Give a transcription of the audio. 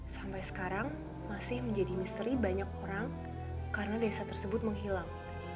sampai sekarang masih menjadi misteri banyak orang karena desa tersebut menghilang